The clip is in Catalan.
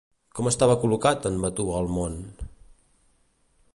Com estava col·locat en Vatualmón?